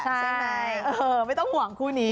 ไม่ต้องห่วงคู่นี้